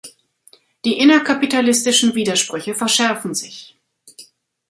Die innerkapitalistischen Widersprüche verschärfen sich.